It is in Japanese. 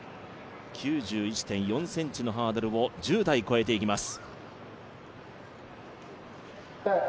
９１．４ｃｍのハードルを１０台越えていきます。